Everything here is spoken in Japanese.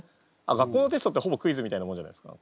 学校のテストってほぼクイズみたいなものじゃないですか。